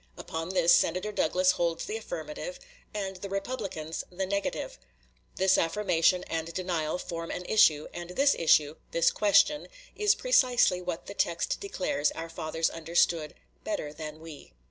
Upon this Senator Douglas holds the affirmative, and the Republicans the negative. This affirmation and denial form an issue, and this issue this question is precisely what the text declares our fathers understood "better than we."